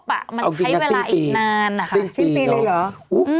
มันใช้เวลาอีกนานนะคะสิ้นปีเลยเหรอ